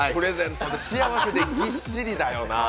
幸せでぎっしりだよなあ。